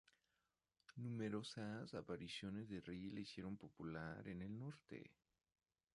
Numerosas apariciones de Ri le hicieron popular en el norte.